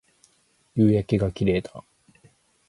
夕焼けが綺麗だ